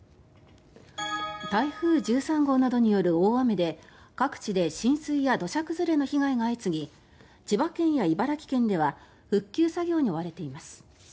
台風１３号などによる大雨で各地で浸水や土砂崩れの被害が相次ぎ千葉県や茨城県では復旧作業に追われています。